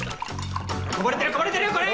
こぼれてるこぼれてるよこれ！